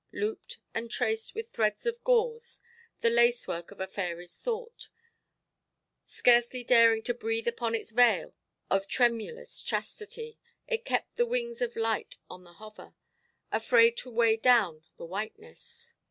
Looped and traced with threads of gauze, the lacework of a fairyʼs thought, scarcely daring to breathe upon its veil of tremulous chastity, it kept the wings of light on the hover, afraid to weigh down the whiteness.